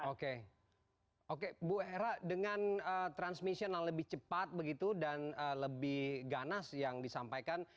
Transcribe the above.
oke oke bu hera dengan transmission yang lebih cepat begitu dan lebih ganas yang disampaikan